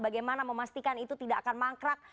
bagaimana memastikan itu tidak akan mangkrak